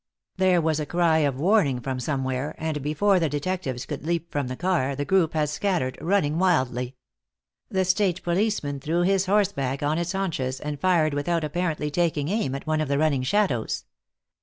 There was a cry of warning from somewhere, and before the detectives could leap from the car, the group had scattered, running wildly. The state policeman threw his horse back on its hunches, and fired without apparently taking aim at one of the running shadows.